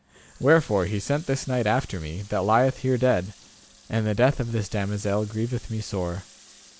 Wherefore he sent this knight after me, that lieth here dead, and the death of this damosel grieveth me sore.